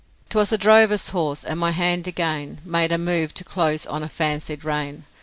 'Twas a drover's horse, and my hand again Made a move to close on a fancied rein.